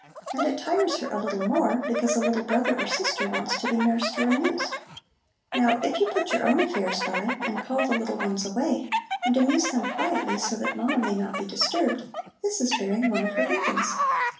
And it tires her a little more, because a little brother or sister wants to be nursed or amused. Now if you put your own affairs by, and call the little ones away, and amuse them quietly so that mamma may not be disturbed, this is bearing one of her burdens.